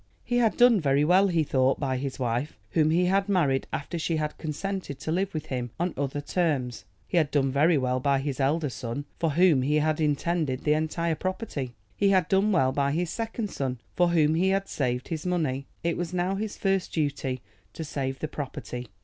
He had done very well, he thought, by his wife, whom he had married after she had consented to live with him on other terms. He had done very well by his elder son, for whom he had intended the entire property. He had done well by his second son, for whom he had saved his money. It was now his first duty to save the property.